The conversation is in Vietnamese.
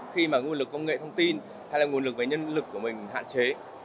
khi mà nguồn lực công nghệ thông tin hay là nguồn lực với nhân lực của mình hạn chế